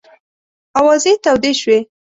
آوازې تودې شوې.